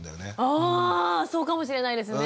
ああそうかもしれないですね。